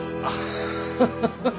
ハハハハ！